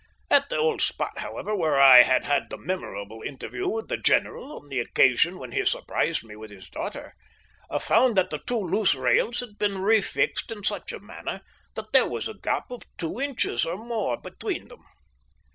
At the old spot, however, where I had had the memorable interview with the general on the occasion when he surprised me with his daughter, I found that the two loose rails had been refixed in such a manner that there was a gap of two inches or more between them.